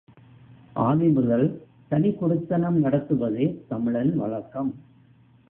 ஆதி முதல் தனிக்குடித்தனம் நடத்துவதே தமிழன் வழக்கம்.